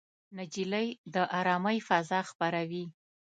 نجلۍ د ارامۍ فضا خپروي.